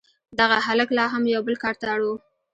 دغه هلک لا هم یو بل کار ته اړ و